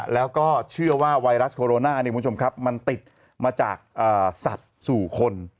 แล้วก็เชื่อว่าไวรัสโคโรน่ามันติดมาจากสัตว์สู่คน